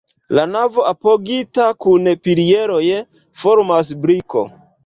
La navo apogita kun pilieroj formas briko.